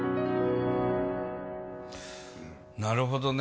なるほどね。